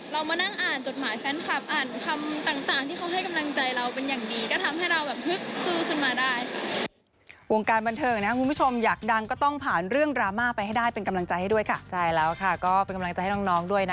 เรามานั่งอ่านจดหมายแฟนคลับอ่านคำต่างที่เขาให้กำลังใจเราเป็นอย่างดี